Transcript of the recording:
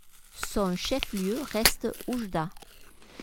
Son chef-lieu reste Oujda.